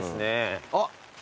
あっ！